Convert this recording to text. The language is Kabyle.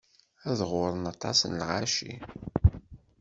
Ad ɣurren aṭas n lɣaci.